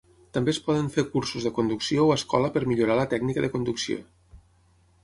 També es poden fer cursos de conducció o escola per millorar la tècnica de conducció.